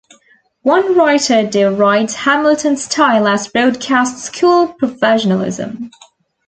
One writer derided Hamilton's style as broadcast-school professionalism.